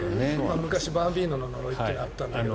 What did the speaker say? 昔、バンビーノの呪いというのがあったんだけど。